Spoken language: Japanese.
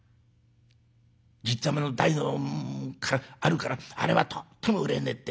じっちゃまの代からあるからあれはとっても売れねえって。